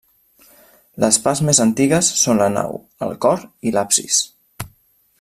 Les parts més antigues són la nau, el cor i l'absis.